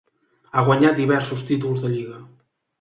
Ha guanyat diversos títols de lliga.